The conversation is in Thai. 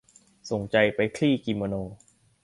ส่งใจไปคลี่กิโมโน